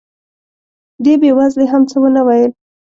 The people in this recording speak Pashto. دې بې وزلې هم څه ونه ویل.